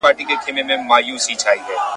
ایا ته د غره سر ته ختلی شې؟